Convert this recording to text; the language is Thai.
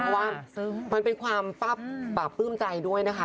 เพราะว่ามันเป็นความปราบปลื้มใจด้วยนะคะ